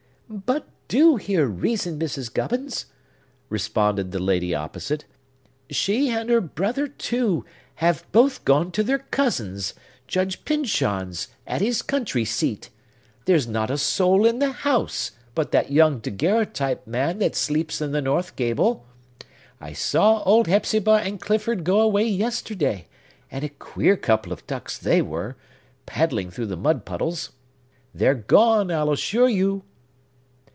"But do hear reason, Mrs. Gubbins!" responded the lady opposite. "She, and her brother too, have both gone to their cousin's, Judge Pyncheon's at his country seat. There's not a soul in the house, but that young daguerreotype man that sleeps in the north gable. I saw old Hepzibah and Clifford go away yesterday; and a queer couple of ducks they were, paddling through the mud puddles! They're gone, I'll assure you."